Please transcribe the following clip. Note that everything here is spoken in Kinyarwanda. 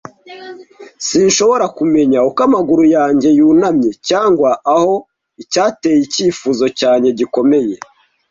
Sinshobora kumenya uko amaguru yanjye yunamye, cyangwa aho icyateye icyifuzo cyanjye gikomeye,